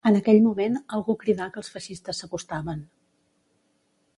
En aquell moment algú cridà que els feixistes s'acostaven.